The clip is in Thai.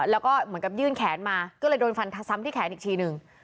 แล้วก็เหมือนกับยื่นแขนมาก็เลยโดนฟันซ้ำที่แขนอีกทีหนึ่ง